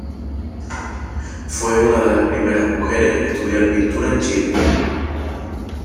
Fue una de las primeras mujeres en estudiar pintura en Chile.